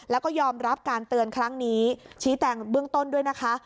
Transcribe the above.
แล้วก็ยอมรับการเตือนครั้งนี้ชี้แจงเบื้องต้นด้วยนะคะ